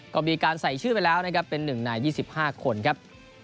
ก็มีการใส่ชื่อไปแล้วนะครับเป็น๑ใน๒๕คนครับ